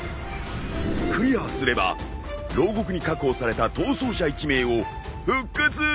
クリアすれば牢獄に確保された逃走者１名を復活できる。